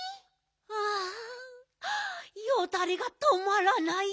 あよだれがとまらない。